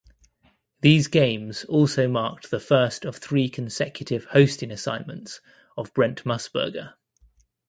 These games also marked the first of three consecutive hosting assignments of Brent Musburger.